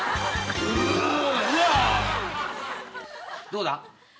どうだ？